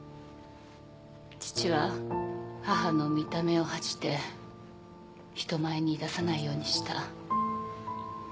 父は母の見た目を恥じて人前に出さないようにした。